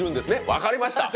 わかりました